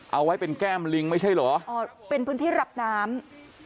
เอาไว้เป็นแก้มลิงไม่ใช่เหรออ๋อเป็นพื้นที่รับน้ำ